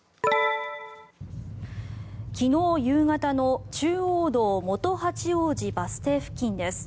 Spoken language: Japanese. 昨日夕方の中央道元八王子バス停付近です。